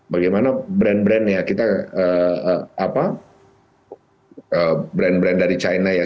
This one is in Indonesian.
bagaimana brand brandnya kita brand brand dari china ya